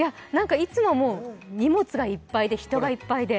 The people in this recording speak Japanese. いつも荷物がいっぱいで、人がいっぱいで。